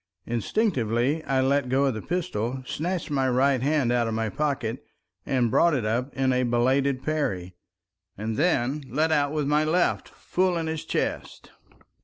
Instinctively I let go of the pistol, snatched my right hand out of my pocket and brought it up in a belated parry, and then let out with my left full in his chest.